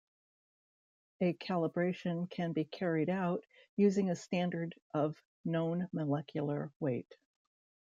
A calibration can be carried out using a standard of known molecular weight.